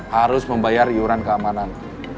harus membayar iuran keamanan